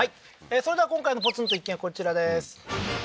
それでは今回のポツンと一軒家は、こちらです。